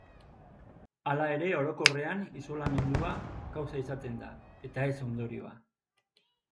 Hala ere, orokorrean isolamendua kausa izaten da, eta ez ondorioa.